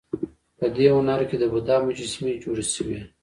په دې هنر کې د بودا مجسمې جوړې شوې